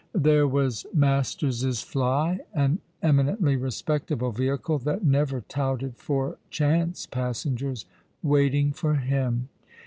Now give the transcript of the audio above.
There was Masters's fly, an eminently respectable ^vehicle that never touted for chance passengers, waiting for him.